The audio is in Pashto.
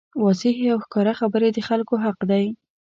واضحې او ښکاره خبرې د خلکو حق دی.